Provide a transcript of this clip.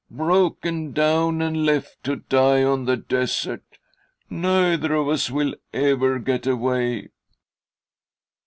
Broken down, and left to die on the desert. Neither of us will ever get away."